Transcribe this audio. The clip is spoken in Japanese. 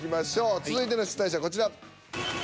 続いての出題者はこちら。